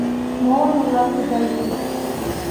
Молан улат тыгай ир?